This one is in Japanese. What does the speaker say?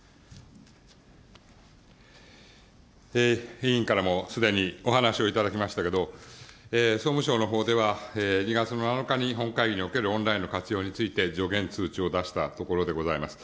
委員からもすでにお話を頂きましたけど、総務省のほうでは、２月７日に本会議におけるオンラインの活用における助言、通知を出したところでございます。